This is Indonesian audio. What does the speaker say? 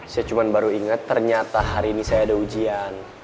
saya cuma baru ingat ternyata hari ini saya ada ujian